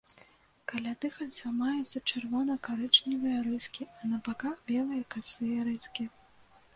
Каля дыхальцаў маюцца чырвона-карычневыя рыскі, а на баках белыя касыя рыскі.